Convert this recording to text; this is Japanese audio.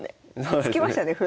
突きましたね歩。